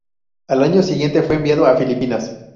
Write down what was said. Al año siguiente fue enviado a Filipinas.